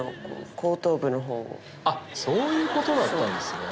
あっそういうことだったんですね。